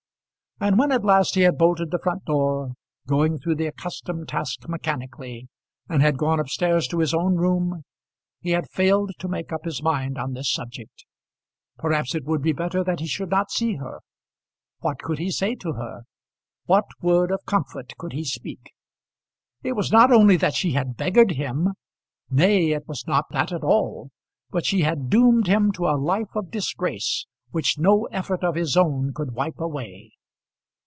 And when at last he had bolted the front door, going through the accustomed task mechanically, and had gone up stairs to his own room, he had failed to make up his mind on this subject. Perhaps it would be better that he should not see her. What could he say to her? What word of comfort could he speak? It was not only that she had beggared him! Nay; it was not that at all! But she had doomed him to a life of disgrace which no effort of his own could wipe away.